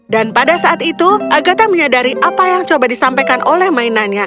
dan pada saat itu agatha menyadari apa yang coba disampaikan oleh mainannya